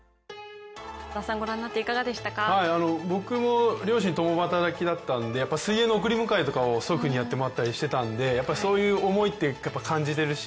僕も両親共働きだったんで水泳の送り迎えとかを祖父にやってもらってたりしてたんでそういう思いって感じてるし